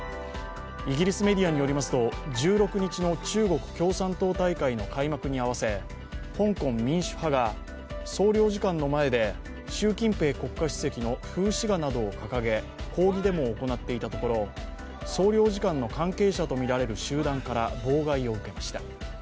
イギリスメディアによりますと、１６日の中国共産党大会の開幕に合わせ香港民主派が、総領事館の前で習近平国家主席の風刺画などを掲げ、抗議デモを行っていたところ、総領事館の関係者とみられる集団から妨害を受けました。